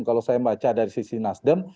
kalau saya baca dari sisi nasdem